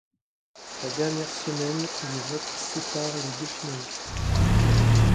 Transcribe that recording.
La dernière semaine, les votes séparent les deux finalistes.